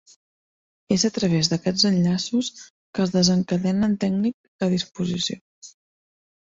És a través d'aquests enllaços que es desencadenen tècnic a disposició.